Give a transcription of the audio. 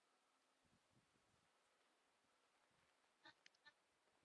锯齿螈捍卫了自己的领地。